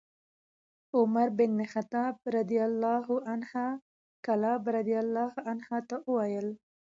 عمر بن الخطاب رضي الله عنه کلاب رضي الله عنه ته وویل: